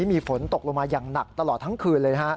มีฝนตกลงมาอย่างหนักตลอดทั้งคืนเลย